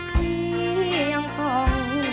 พี่ยังต้อง